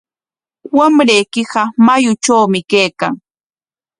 Wamraykiqa mayutrawmi kaykan.